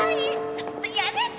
ちょっとやめて！